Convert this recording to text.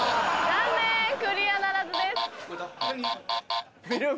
残念クリアならずです。